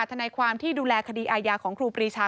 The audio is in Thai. ทนายความที่ดูแลคดีอาญาของครูปรีชา